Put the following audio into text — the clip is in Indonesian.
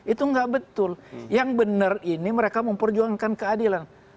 itu nggak betul yang benar ini mereka memperjuangkan keadilan